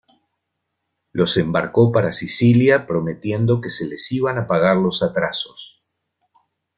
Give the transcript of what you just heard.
Los embarcó para Sicilia prometiendo que se les iban a pagar los atrasos.